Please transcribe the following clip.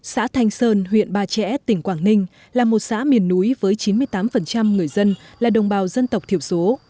xã thanh sơn huyện ba trẻ tỉnh quảng ninh là một xã miền núi với chín mươi tám người dân là đồng bào dân tộc thiểu số